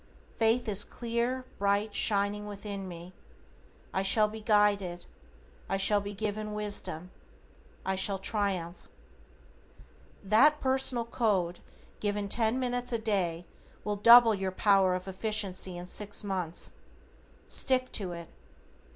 Faith is clear, bright, shining within me. I shall be guided. I shall be given wisdom. I shall triumph. That personal code given ten minutes a day will double your power of efficiency in six months. Stick to it.